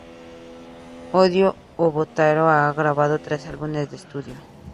Odio a Botero ha grabado tres álbumes de estudio.